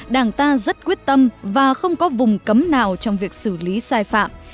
đảng ta rất quyết tâm và không có vùng cấm nào trong việc xử lý sai phạm